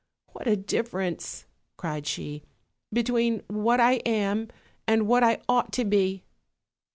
"What a difference," cried she, "between what I am and what I ought to be!"